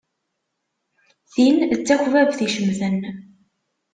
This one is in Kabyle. Tin d takbabt icemten.